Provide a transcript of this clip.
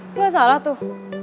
nggak salah tuh